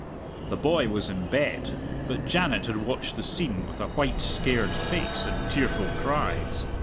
The boy was in bed, but Janet had watched the scene with a white, scared face and tearful cries.